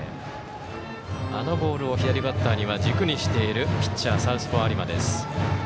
あのボールを左バッターには軸にしているピッチャー、サウスポー有馬。